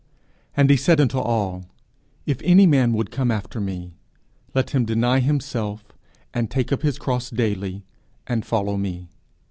_'And he said unto all, If any man would come after me, let him deny himself, and take up his cross daily, and follow me.